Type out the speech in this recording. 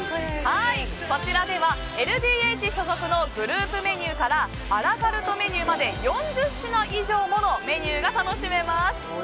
こちらではＬＤＨ所属のグループメニューからアラカルトメニューまで４０品以上ものメニューが楽しめます。